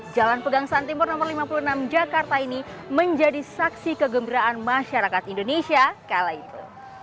jalan pegangsaan timur no lima puluh enam jakarta ini menjadi saksi kegembiraan masyarakat indonesia kala itu